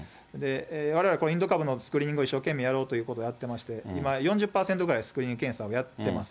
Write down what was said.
われわれ、インド株のスクリーニングを一生懸命やろうということでやってまして、今、４０％ぐらいスクリーニング検査をやってます。